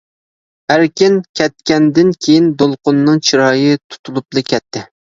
ئەركىن كەتكەندىن كىيىن دولقۇننىڭ چىرايى تۇتۇلۇپلا كەتتى.